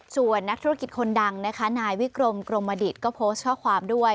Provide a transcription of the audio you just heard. ส่วนนักธุรกิจคนดังนะคะนายวิกรมกรมดิตก็โพสต์ข้อความด้วย